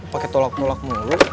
pake tolak tolak mulu